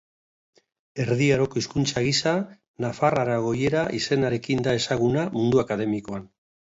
Erdi Aroko hizkuntza gisa nafar-aragoiera izenarekin da ezaguna mundu akademikoan.